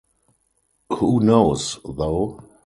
Who knows though?